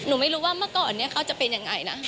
ไม่รู้ว่าเมื่อก่อนนี้เขาจะเป็นยังไงนะ